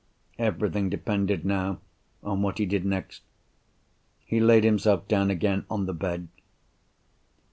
Everything depended, now, on what he did next. He laid himself down again on the bed!